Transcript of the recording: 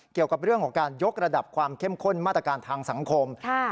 เกี่ยวกับเรื่องของการยกระดับความเข้มข้นมาตรการทางสังคม